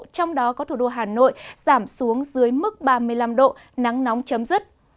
trong đó có thủ đô hà nội giảm xuống dưới mức ba mươi năm độ nắng nóng chấm dứt